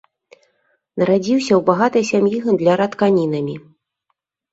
Нарадзіўся ў багатай сям'і гандляра тканінамі.